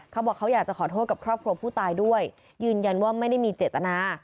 เขาบอกเขาอยากจะขอโทษกับครอบครัวผู้ตายด้วยยืนยันว่าไม่ได้มีเจตนา